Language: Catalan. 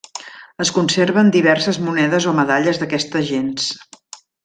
Es conserven diverses monedes o medalles d'aquesta gens.